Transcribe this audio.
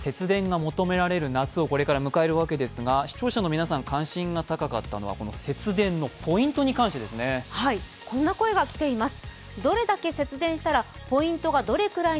節電が求められる夏をこれから迎えるわけですが視聴者の皆さん、関心が高かったのは、節電のポイントに関してですねこんな声がきています。